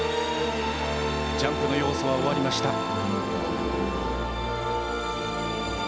ジャンプの要素は終わりました。